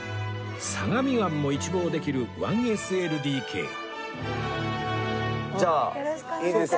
相模湾も一望できる １ＳＬＤＫじゃあいいですか？